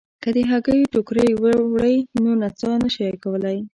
که د هګیو ټوکرۍ وړئ نو نڅا نه شئ کولای.